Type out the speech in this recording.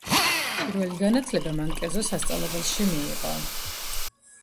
პირველი განათლება მან კერძო სასწავლებელში მიიღო.